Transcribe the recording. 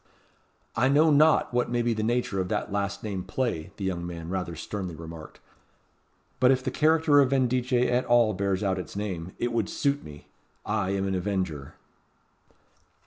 '" "I know not what may be the nature of that last named play," the young man rather sternly remarked; "but if the character of Vendice at all bears out its name, it would suit me. I am an avenger."